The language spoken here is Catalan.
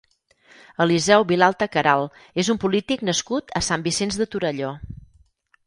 Eliseo Vilalta Caralt és un polític nascut a Sant Vicenç de Torelló.